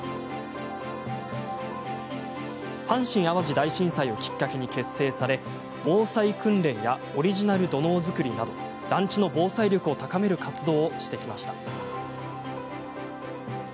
阪神・淡路大震災をきっかけに結成され、防災訓練やオリジナル土のう作りなど団地の防災力を高める活動をしてきました。